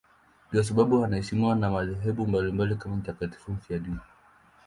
Ndiyo sababu anaheshimiwa na madhehebu mbalimbali kama mtakatifu mfiadini.